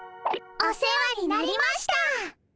お世話になりました。